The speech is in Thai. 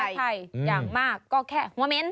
อย่างมากก็แค่หัวเม้น